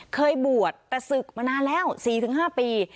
เคยบวชแต่ศึกมานานแล้ว๔๕ปี